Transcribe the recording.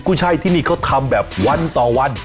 ใช่ที่นี่เขาทำแบบวันต่อวัน